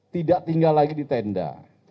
tidak tinggal lagi di tenda